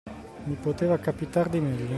Mi poteva capitar di meglio.